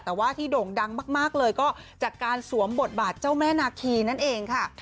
แต่ว่าที่โด่งดังมากเลยก็จากการสวมบทบาทเจ้าแม่นาคีนั่นเองค่ะ